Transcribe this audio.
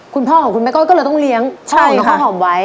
คุณพ่อของคุณแม่ก้อยก็เลยต้องเลี้ยงน้องข้าวหอมไว้